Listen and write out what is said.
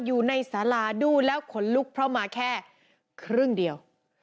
อยู่ในสาราดูแล้วขนลุกเพราะมาแค่ครึ่งเดียว